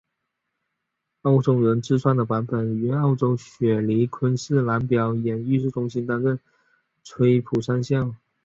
澳洲人自创的版本于澳洲雪梨昆士兰表演艺术中心担任崔普上校。